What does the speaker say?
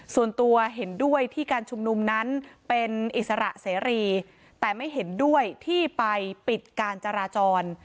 ส่วนตัวเห็นด้วยที่การชุมนุมนั้นเป็นอิสระเสรีแต่ไม่เห็นด้วยที่ไปปิดการจราจร